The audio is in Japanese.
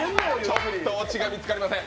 ちょっとオチが見つかりません。